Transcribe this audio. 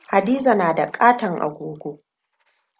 Hadiza na da katon agogo.